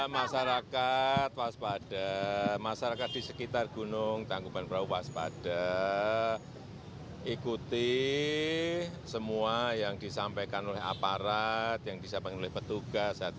masyarakat waspada masyarakat di sekitar gunung tanggungan perang waspada ikuti semua yang disampaikan oleh aparat yang disampaikan oleh petugas hati hati